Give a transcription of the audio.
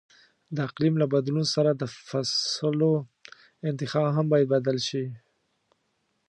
د اقلیم له بدلون سره د فصلو انتخاب هم باید بدل شي.